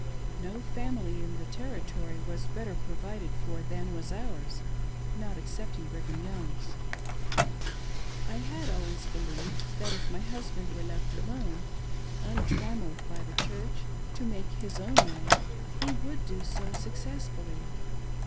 No family in the Territory was better provided for than was ours, not excepting Brigham Young's. I had always believed that if my husband were left alone, untrammelled by the Church, to make his own way, he would do so successfully.